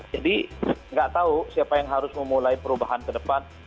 jadi tidak tahu siapa yang harus memulai perubahan ke depan